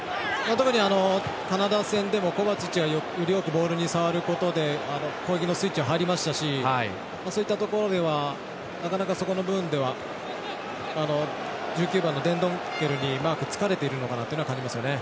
カナダ戦でもコバチッチがよりよくボールを触ることで攻撃のスイッチが入りましたしそういったところではなかなか、そこの部分では１９番のデンドンケルにマークつかれているのかなと感じますよね。